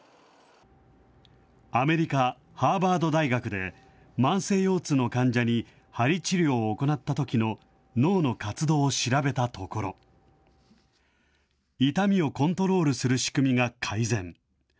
アメリカ、ハーバード大学で慢性腰痛の患者にはり治療を行ったときの脳の活動を調べたところ、痛みをコントロールする仕組みが改善。